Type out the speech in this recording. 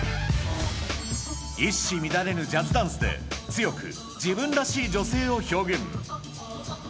一糸乱れぬジャズダンスで強く、自分らしい女性を表現。